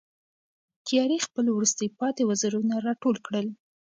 تیارې خپل وروستي پاتې وزرونه را ټول کړل.